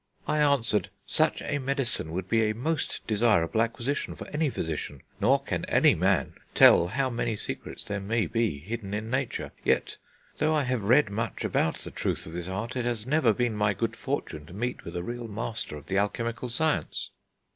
I answered, 'Such a medicine would be a most desirable acquisition for any physician; nor can any man tell how many secrets there may be hidden in Nature; yet, though I have read much about the truth of this art, it has never been my good fortune to meet with a real master of the alchemical science.'